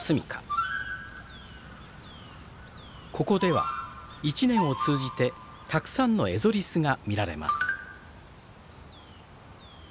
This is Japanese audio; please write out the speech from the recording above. ここでは一年を通じてたくさんのエゾリスが見られます。